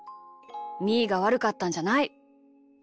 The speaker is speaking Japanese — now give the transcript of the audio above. みーがわるかったんじゃない。